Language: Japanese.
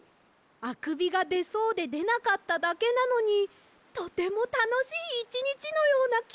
あくびがでそうででなかっただけなのにとてもたのしいいちにちのようなきがしました！